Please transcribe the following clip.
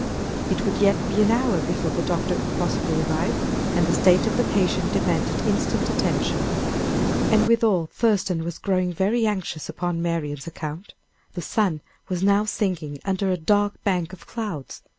It would yet be an hour before the doctor could possibly arrive, and the state of the patient demanded instant attention. And withal Thurston was growing very anxious upon Marian's account. The sun was now sinking under a dark bank of clouds.